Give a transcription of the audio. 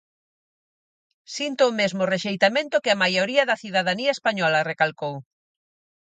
"Sinto o mesmo rexeitamento que a maioría da cidadanía española", recalcou.